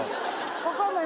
分かんない。